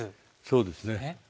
そうですね。